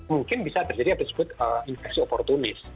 mungkin bisa terjadi apa disebut infeksi oportunis